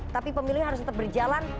tapi pemilih harus tetap berjalan